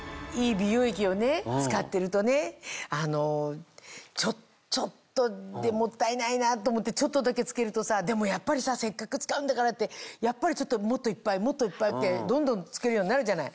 美容液を使ってるとねちょっとでもったいないなと思ってちょっとだけつけるとでもやっぱりせっかく使うんだからってやっぱりもっといっぱいもっといっぱいってどんどんつけるようになるじゃない。